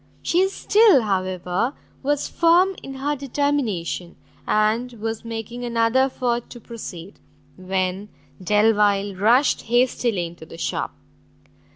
She still, however, was firm in her determination, and was making another effort to proceed, when Delvile rushed hastily into the shop.